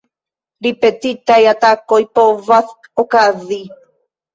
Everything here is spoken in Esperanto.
Ripetitaj atakoj povas okazi.